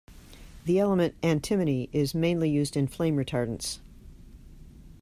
The element antimony is mainly used in flame retardants.